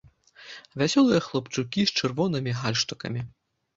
Вясёлыя хлапчукі з чырвонымі гальштукамі.